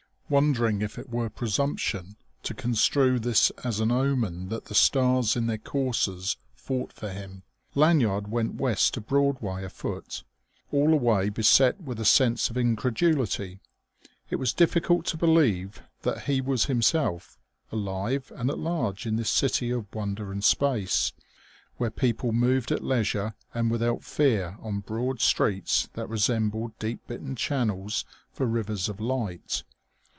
Wondering if it were presumption to construe this as an omen that the stars in their courses fought for him, Lanyard went west to Broadway afoot, all the way beset with a sense of incredulity; it was difficult to believe that he was himself, alive and at large in this city of wonder and space, where people moved at leisure and without fear on broad streets that resembled deep bitten channels for rivers of light.